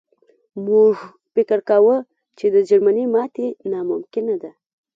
موږ فکر کاوه چې د جرمني ماتې ناممکنه ده